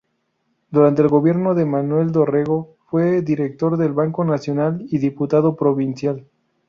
Durante el gobierno de Manuel Dorrego fue director del Banco Nacional y diputado provincial.